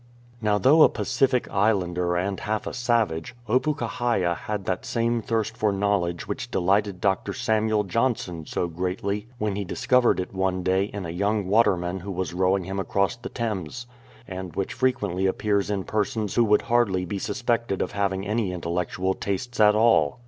Now though a Pacific islander and half a savage, Opukahaia had that same thirst for knowledge which delighted Dr. Samuel Johnson so gi'catly when he dis covered it one day in a young waterman who was rowing him across the Thames, and which frequently appears in persons who would hardly be suspected of having any intellectual tastes at all.